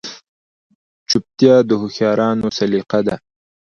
چوپتیا، د هوښیارانو سلیقه ده.